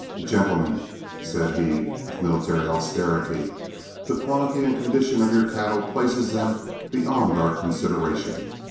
"Gentlemen," said he, with military austerity, "the quality and condition of your cattle places them beyond our consideration.